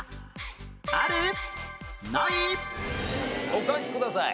お書きください。